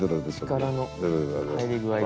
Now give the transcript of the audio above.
力の入り具合が。